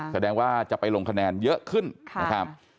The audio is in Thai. แสดงว่าจะไปลงคะแนนเยอะขึ้นนะครับ